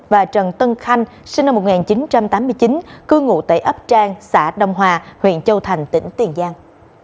và trần tân khanh sinh năm một nghìn chín trăm tám mươi chín cư ngụ tại ấp trang xã đông hòa huyện châu thành tỉnh tiền giang